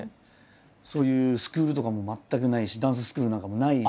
そういうスクールとかも全くないしダンススクールなんかもないし。